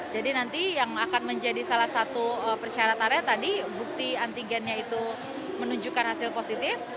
jadi nanti yang akan menjadi salah satu persyaratannya tadi bukti antigennya itu menunjukkan hasil positif